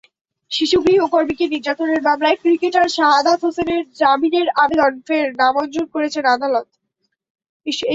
শিশু গৃহকর্মীকে নির্যাতনের মামলায় ক্রিকেটার শাহাদাত হোসেনের জামিনের আবেদন ফের নামঞ্জুর করেছেন আদালত।